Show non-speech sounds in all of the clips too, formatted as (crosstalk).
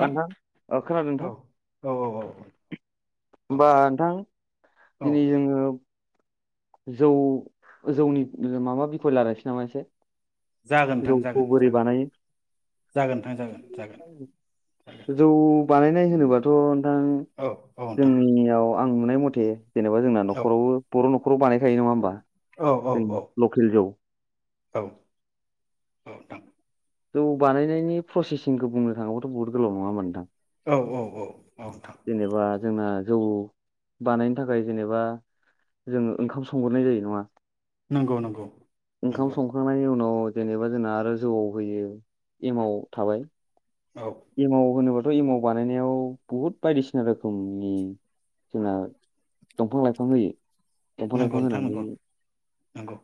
ओ नोंथां खोनादों नोंथां। औ औ औ औ। औ होमबा नोंथां औ दिनै जोङो जौ जौनि माबा बिखय रायलायसै नामा एसे? जागोन नोंथां जौखौ जागोन बोरै जागोन बानायो? जागोन नोंथां जागोन जागोन जौ बानायनाय होनोबाथ' नोंथां औ औ नोंथां जोंनियाव आं नुनाय मथे जेनेबा जोंना औ नखरावबो बर' नखराव बानायखायो नङा होमबा? औ औ जों लकेल जौ। औ औ नोंथां। जौ बानायनायनि प्रसेसिंखौ बुंनो थाङोब्लाथ' बहुद गोलाव नङा होमबा नोंथां? औ औ औ। नोंथां जेनबा जोंना जौ बानायनो थाखाय जेनेबा जोङो ओंखाम संग्रोनाय जायो नङा? नंगौ नंगौ ओंखाम नंगौ संखांनायनि उनाव जेनेबा जोंना आरो जौआव होयो एमाव थाबाय औ एमाव होनोबा थ' एमाव बानायनायाव बुहुद बायदिसिना रोखोमनि जोंना दंफां -लाइफां होयो। दंफां नंगौ -लाइफां नोंथां होनानै नंगौ नंगौ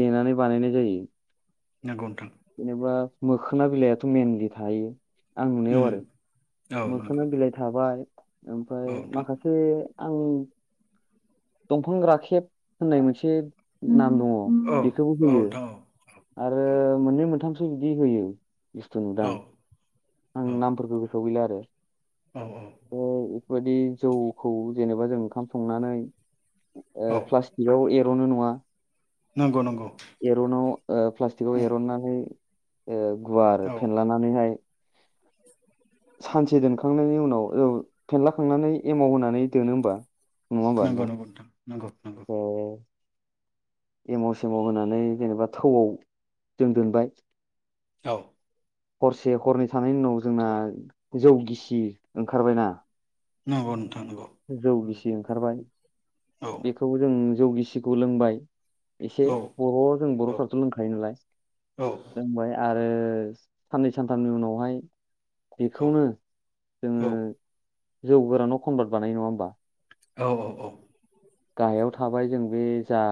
देनानै बानायनाय जायो। नोंगौ नोंथां। जेनेबा मोखोना बिलाइथ' मेनलि थायो आं नुनायाव उम आरो। औ नंगौ मोखोना बिलाइ थाबा बाय, औ ओमफ्राय नोंथां माखासे आं दंफां राखेब होननाय मोनसे नाम दङ औ बेखौबो औ होयो। नोंथां आरो मोननै मोनथाम सो बिदि होयो। इस्थ' औ औ नुदां। आं नामफोरखौ गोसोआव गैला आरो। औ औ। ओमफ्राय बेफोरबायदि जौखौ जेनेबा जों ओंखाम संनानै ओ औ प्लास्टिक आव ए रनो नङा? नंगौ नंगौ एरनाव ओ प्लास्टिकआव उम एरननानै औ गुवार औ फेनलानानैहाय सानसे दोनखांनायनि उनाव औ फेनलाखांनानै एमावहानै दोनो होमबा? होमबा नंगौ नोंथां? नंगौ नोथां। नगौ नगौ। ओ एमाव सेव होनानै जेनेबा थौआव जों दोनबाय औ हरसे हरनै थानायनि उनाव जोंना जौ गिसि ओंखारबायना? औ नोंथां जौ गिसि ओंखारबाय औ बेखौ जों जौ गिसिखौ लोंबाय एसे औ बर'आव जों बर'फ्राथ' लोंखायो नालाय। लोंबाय आरो ओ साननै सानथामनि उनावहाय बेखौनो औ जोङो जौ गोरान न' कनभार्ट (unintelligible) बानाय नङा होमबा? औ औ औ गाहायाव थाबाय जों बे जा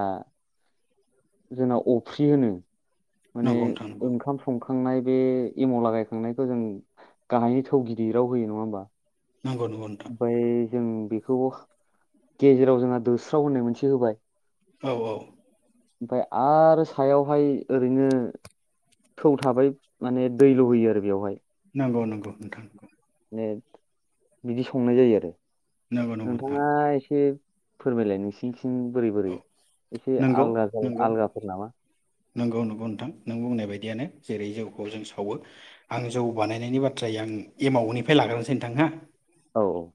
जोंना अफ्रि होनो माने नंगौ नोंथां नंगौ ओंखाम संखाम हुखांनाय बे एमाव लागायखांनायखौ जों गाहायनि थौ गिदिर राव होयो नङा होमबा? नंगौ नंगौ नोथां ओमफ्राय जों बेखौबो गेजेराव जोंहा दोस्राव होननाय मोनसे होबाय । औ औ ओमफ्राय आरो सायावहाय ओरैनो थौ थाबाय माने दै लुहैयो आरो बेवहाय नंगौ नंगौ नोंथां बिदि संनाय जायो आरो नंगौ नंगौ नोंथां नोंथाङा एसे फोरमायलायनोसै ओम बोरै औ बोरै एसे नंगौ आलादा जायो नंगौ आलागाफोर नामा? नंगौ नंगौ नोंथां नों बुंनाय बायदियानो जेरै जौखौ जों सावो आं जौ बानायनायनि बाथ्राय आं एमावनिफ्राय लाग्रोनोसै नोंथां हो औ औ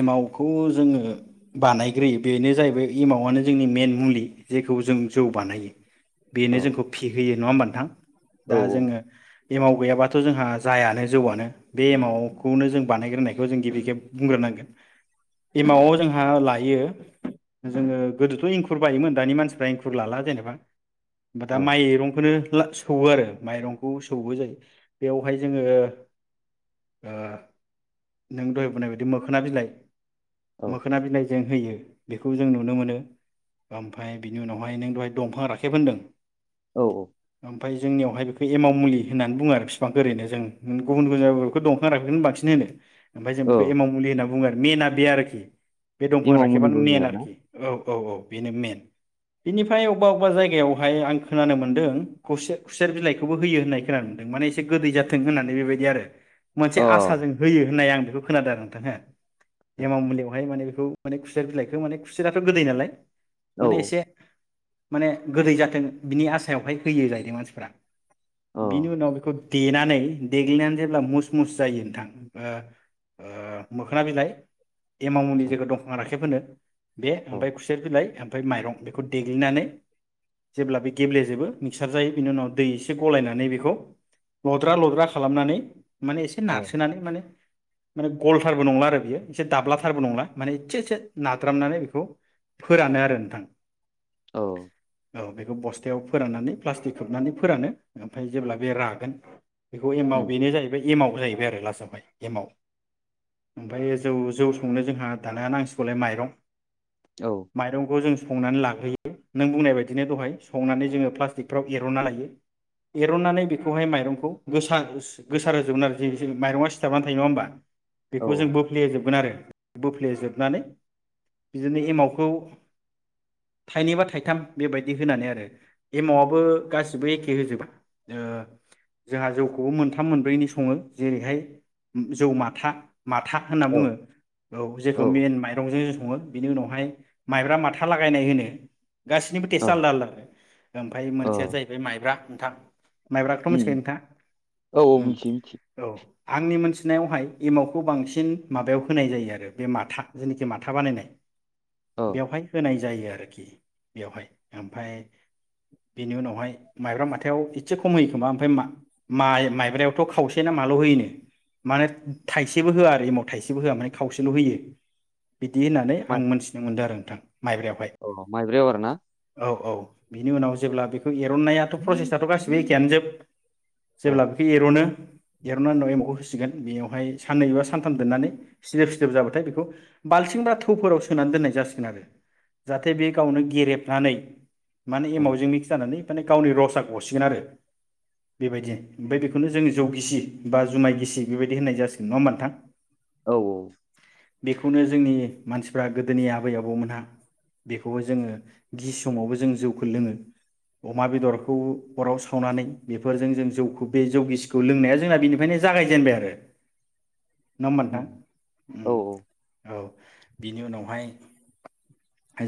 एमावखौ जोङो बानायग्रोयो बेनो जाहैबाय एमावानो जोंनि मेन मुलि जेखौ जों जौ बानायो । बेनो औ जोंखौ फिहोयो नङा होमबा नोंथां? औ दा जोङो एमाव गैयाबाथ' जोंहा जायानो जौआनो बे एमावखौनो जों बानायग्रोनायखौ जों गिबि खेब बुंग्रोनांगोन एमावआव जोंहा लायो जोङो गोदोथ' एंखुर बायोमोन दानि मानसिफ्रा इंखुर लाला जेनेबा होमबा दा औ माइरंखौनो ला सौवो आरो माइरंखौ सौवो जायैबाय बेयावहाय जोङो ओ नों दहाय बुंनायबा बिदि मोखोना बिलाइ औ मोखोना बिलाय जों होयो बेखौ जों नुनो मोनो ओमफ्राय बिनि उनावहाय नों दहाय दंफां राखेब होनदों औ औ ओमफ्राय जोंनियावहाय बेखौ एमाव मुलि होननानै बुङो आरो बिफां ओरैनो जों गुबुन गुबुन जायगायाव बेखौ दंखां राखेब बांसिन होनो ओमफ्राय जों औ बे एमाव मुलि होनना बुङो मेना बे आरोखि बे दंफां एमाव राखेबानो मुलिबो होनो मेन आरोना आरोखि औ औ औ बेनो मेन बेनिफ्राय अबेबा अबेबा जायगायावहाय आं खोनानो मोन्दों खौसे खुसेर बिलाइखौबो होयो होननाय खोनानो मोनदों माने एसे गोदै जाथों होननानै बेबायदि आरो मोनसे अ आसाजों होयो होननाय आं बेखौ खोनादों आरो नोंथां हो एमाव मुलिखौहाय माने खौ माने खुसेर बिलाइखौ माने खुसेराथ' गोदै नालाय औ माने एसे माने गोदै जाथों बिनि आसायावहाय होयो जायैदों मानसिफोरा औ बिनि उनाव बेखौ देनानै देग्लिनानै जेब्ला मुस मुस जायो नोंथां ओ ओ मोखोना बिलाय एमाव मुलि जायखौ दंफां राखेब खेब होनो बे औ ओमफ्राय खुसेर बिलाइ ओमफ्राय माइरं बेखौ देग्लिनानै जेब्ला बे गेब्लेजोबो मिक्सार जायो बेनि उनाव दै एसे गलायनानै बेखौ लद्रा लद्रा खालामनानै माने एसे नारसोनानै माने माने गलथारबो नंला आरो बियो एसे दाब्लाथारबो नंला माने एसे एसे नाद्रामनानै बेखौ फोरानो आरो नोंथां। औ औ बेखौ बस्थायाव फोराननानै प्लास्टिक खोबनानै फोरानो ओमफ्राय जेब्ला बे रागोन बेखौ एमव उम बेनो जाहैबाय एमव जाहैबाय आरो लास्टआवहाय एमाव। ओमफ्राय जौ जौ संनो जोंहा दाना नांसिगौलाय माइरं औ माइरंखौ जों संनानै लाग्रोयो नों बुंनाय बायदिनो दहाय संनानै जोङो प्लास्टिकफ्राव एरनना लायो एरननानै बेखौहाय माइरंखौ गोसार होसो गोसार होजोबगोन आरो जे जेरै माइरङा सिथाबनानै थायो नङा होमबा। बेखौ जों औ बोफ्लेहोजोबगोन आरो बोफ्लेजोबनानै बिदिनो एमावखौ थाइनै बा थाइथाम बेबायदि होनानै आरो एमावाबो गासिबो एखे होजोबा ओ जोंहा जौखौबो मोनथाम मोनब्रैनि सङो जेरैहाय उम जौ मा खा माथा होनना औ बुङो औ जेखौ मेन माइरंजो सङो बिनि उनावहाय माइब्रा माथा लागायनाय होनो गासैनिबो औ टेस्ट आलदा आलदा आरो ओमफाय औ मोनसेया जाहैबाय माइब्रा नोंथां माइब्राखोथ' मिथिखायो उम नोंथाङा औ उम मिथियो मिथियो औ आंनि मोनथिनायावहाय एमावखौ बांसिन माबायाव होनाय जायो आरो बे माथा जेनिखि माथा बानायनाय औ बेवहाय होनाय जायो आरोखि बेयावहाय ओमफाय बेनि उनावहाय माइब्रा माथायाव एसे खम होयो खोमा ओमफाय मा-माइ-माइब्रायावथ' खावसे ना माल' होयोनो माने थाइसेबो होआ आरो एमाव थाइसेबो होआ माने खावसेल' होयो। बिदि होननानै आं मोनथिनो मोन्दो आरो (inaudible) अ माइब्रायाव आरो ना? औ औ बिनि उनाव जेब्ला बेखो एरननायाथ' प्रसेसाथ' गासिनो एखेआनो जोब औ जेब्ला बेखो एर'नो एरनाय उनाव एमावखौ होसिगोन बेयावहाय साननैबा सानथाम दोननानै सिदोब सिदोब जाबाथाय बेखौ बाल्थिं बा थ'फोराव सोनानै दोननाय जासिगोन आरो जाहाथे बे गावनो गेरेबनानै माने उम एमावजों मिक्स जानानै माने गावनि रसआ गसिगोन आरो बेबायदिनो ओमफाय बेखौनो जों जौ गिसि बा जुमाय गिसि बेबायदि होननाय जासि‌ गोन नुवा होमबा नोथां। औ औ बेखौनो जोंनि मानसिफ्रा गोदोनि आबै आबौमोनहा बेखौबो जोङो गिसि समावबो जों जौखौ लोङो अमा बेदरखौ अराव सावनानै बेफोरजों जों जौखौ बे जौ गिसिखौ लोंनाया जोंना बेनिफ्रायनो जागायजेेनबाय आरो न‌आ होनबा उम औ नोनथां औ बिनि उनावहाय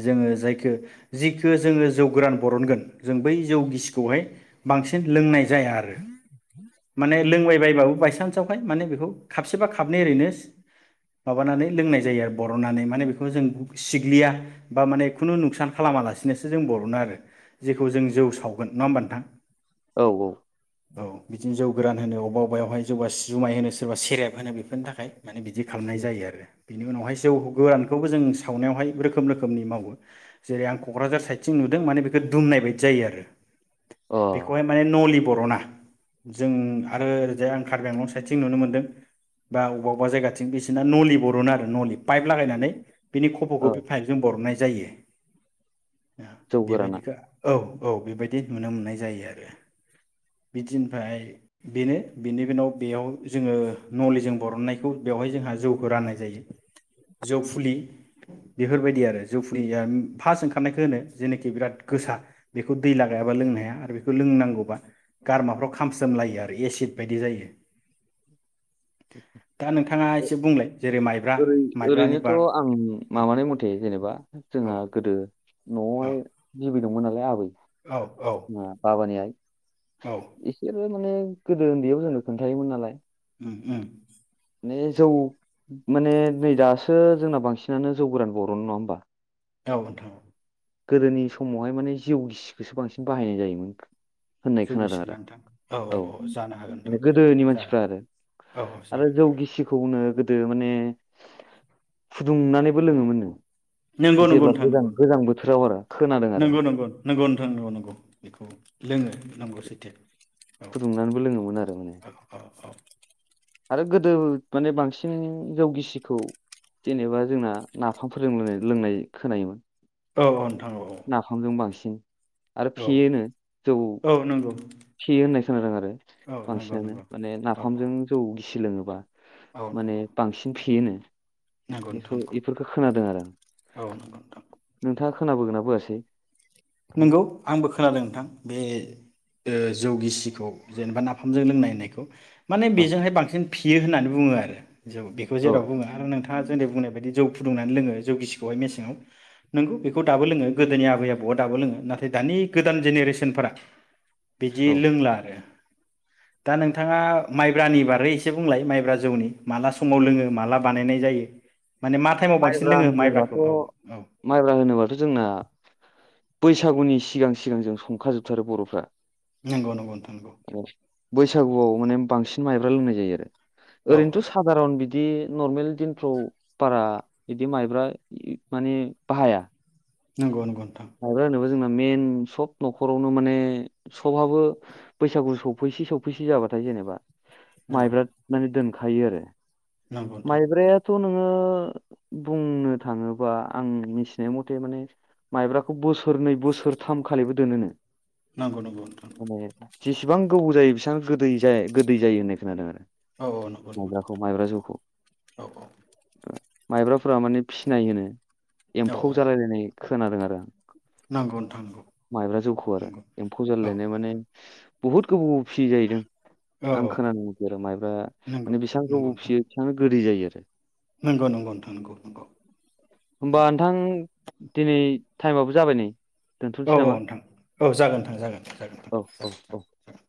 जोङो जायखो जिखो जोङो जौ गोरान बरनगोन जों बै जौ गिसिखौहाय बांसिन लोंनाय जाया आरो माने लोंबायबायबाबो बायसान्सआवहाय माने बेखौ खाबसेबा खाबनै ओरैनो माबानानै लोंनाय जायो आरो बर'नानै माने बेखौ जों सिग्लिया बा माने खुनु नुसान खालामालासिनोसो जों बर'नो आरो जेखौ जों जौ सावगोन नुवा होमबा नोंथां औ औ औ बिथिं जौ गोरान होनो अबा अबायावहाय जौबा जुमाय होनो सोरबा से रेब होनो बेफोरनि थाखाय माने बिदि खालामनाय उम जायो आरो बेनि उनावहाय जौ गोरानखौबो जों सावनायावहाय रोखोम रोखोमनि मावो जेरै आं क'क्राझार साइदथिं नुदों माने बेखो दुमनाय बायदि जायो आरो अ बेखौहाय माने नलि बर'ना जों आरो ओरैजाय आं कार्बिआंलं साइडथिं नुनो मोनदों। बा अबा अबा जायगाथिं बिसिना नलि बरनो आरो नलि पाइप लागायनानै। बिनि खफ'खो ओ बे फाइभजों बरनाय जायो। ओ जौ गोराना बेबायदिखो औ औ बेबायदि नुनो मोननाय जायो आरो बिदिनफ्राय बेनो बेनि बिनाव बेयाव जोङो नलिजों बरननायखौ बेवहाय जोंहा जौखौ राननाय जायो जौ फुलि बेफोरबायदि आरो जौ फुलिआ फार्स्ट ओंखारनायखौ होनो जेनोखि बिराद गोसा बेखौ दै लागायाबा लोंनो हाया आरो बेखौ लोंनांगौबा गारमाफ्राव खामस्रोमलायो आरो एसिद बायदि जायो। दा नोंथाङा ओै एसे बुंलाय जेरै माइब्रा ओरै माइब्रानि ओरैनोथ' बार आं माबानाय मथे जेनेबा औ जोंहा गोदो न'आवहाय बि दंमोन नालाय आबै औ औ ओ बाबानि आइ औ इसोरो माने गोदो उन्दैयाव जोंनो खोन्थायायोमोन नालाय। उम उम ने जौ माने नै दासो जोंना बांसिनानो जौ गोरान बर'नो नङा होमबा? औ नोंथां गोदोनि समावहाय माने जिउ गिसिखौसो बांसिन बाहायनाय जायोमोन। होननाय जौ खोनादों गिसि आरो ना नोंथां औ जानो हागोन नोंथां माने गोदोनि जागोन मानसिफ्रा आरो औ औ आरो जागोन जौ जागोन गिसिखौनो गो दो माने फुदुंनानैबो लोङोमोननो। नंगौ नंगौ जेब्ला नोंथां गोजां नंगौ गोजां नंगौ। बोथोराव आरो खोनादों आरो नंगौ नंगौ नंगौ नोंथांंगौ नंगौ नंगौ बेखौ लोङो नंगौ सैथो। औ फुदुंनानैबो लोङोमोन आरो माने औ आरो गोदो माने बांसिन जौ गिसिखौ जेनेबा जोंना नाफामफोरजों लोंनाय लोंनाय खोनायोमोन। औ औ नोंथा नाफामजों बांसि न आरो औ फेयो नो जौ औ नंगौ फेयो होननाय खोनादों आरो औ नंगौ बांसिनानो नंगौ माने औ नाफामजों जौ गिसि सि सोलोङोबा। औ माने नंगौ बांसिन फेयोनो नंगौ नोंथां बेखौ नंगौ बेफोरखौ खोनादों आरो। औ नंगौ नोंथां थाङा खोनाबोगोना बोआसै। नंगौ आंबो खोनादों नोंथां बे ओ जौ गिसिखौ जेनेबा नाफामजों लोंनाय होननायखौ। माने औ बेजोंहाय बांसिन फियो होननानै बुङो आरो। जौ बेखौ औ जेराव बुङो आरो नोंथाङा जोंनि बुंनाय बायदि जौ फुदुंनानै लोङो जौ गिसिखौहाय मेसेङाव नोंगौ बेखौ दाबो लोङो गोदोनि आबै आबौआ दाबो लोङो नाथाय दानि गोदान जेनेरेसनफोरा बिदि औ लोंला आरो दा नोंथाङा माइब्रानि बारै एसे बुंलाय माइब्रा जौनि माला समाव लोङो, माला बानायनाय जायो? माने मा टाइमाव बांसिन माइब्रा लोङो माइब्राखौ होनोबाथ' औ औ माइब्रा होनोबाथ' जोंना बैसागुनि सिगां सिगां जों संखाजोबथारो बर'फ्रा। नंगौ नंगौ नोंथां। बैसागुआव माने बांसिन माइब्रा लोंनाय जायो आरो। औ ओरैनोथ' सादारन बिदि दि नरमेल दिनफ्राव बारा बिदि माइब्रा माने बाहाया नंगौ नंगौ। नोंथां मायब्रा (unintelligible) जोंना मइेन सब न'खरावनो माने सबहाबो बैसागु सौफैसे सौफैसे जाबाथाय जेनेबा माइब्रा मानो दोन थायो आरो। नंगौ माइब्रायाथ' नोङो बुंनो थाङोबा आं मिथिनाय मथे माने माइब्राखौ बोसोरनै बोसोरथाम खालैबो दोनोनो। नंगौ नंगौ नोंथां। बां गोबौ जायो बिसिबां गोदै जाय गोदै जायो होननाय खोनादों आरो। औ औ नंगौ नंगौ माइब्राखौ माइब्रा जौखौ (inaudible) औ औ। माइब्राफोरा माने फिसिनाय होनो। औ एम्फौ जालायलायनाय खो नादों आरो आं। नंगौ नोंथां (inaudible) माइब्रा जौखौ नंगौ आरो एम्फौ औ जाललायनाय माने बहुत गोबाव फियो जाहैदों। औ आं औ खोनानो मोनसयो आरो माइब्रा नंगौ माने बेबां नंगौ गोबाव नोंथां फिसियो बेसेबांनो गोदै जायो। आरो नंगौ नंगौ नोंथां नंगौ नंगौ होमबा नंगौ। नोंथां दिनै टाइमाबो जाबाय नै। औ दोन्थ'नोसै औ नामा? नोंथां औ जागोन थां जागोन जागोन थां औ औ जागोन औ जागोन।